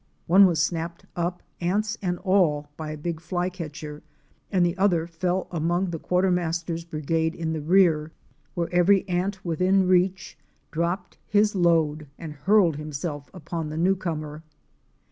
One was snapped up, ants and all, by a big Flycatcher, and the other fell among the quartermaster's brigade in the rear, where every ant within reach dropped his load and hurled himself upon the newcomer.